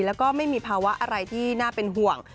แล้วก็ไม่มีภาวะอะไรที่น่าเป็นห่วง